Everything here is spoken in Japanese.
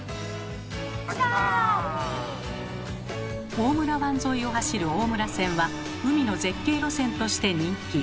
大村湾沿いを走る大村線は海の絶景路線として人気。